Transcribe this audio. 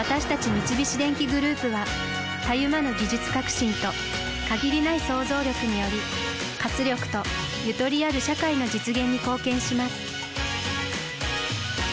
三菱電機グループはたゆまぬ技術革新と限りない創造力により活力とゆとりある社会の実現に貢献します